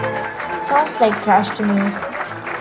Sounds like trash to me!